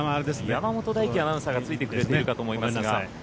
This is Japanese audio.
山本大貴アナウンサーがついてくれてると思いますが。